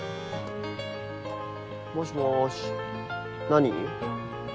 もしもし何？